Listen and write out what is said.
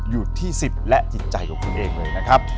อยู่ที่๑๐และจิตใจของคุณเองเลยนะครับ